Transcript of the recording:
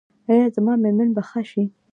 ایا زما میرمن به ښه شي؟